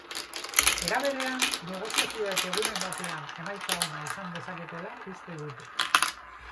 Era berean, negoziazioek egunen batean emaitza ona izan dezaketela uste dute.